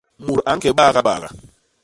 Mut a ñke bagabaga.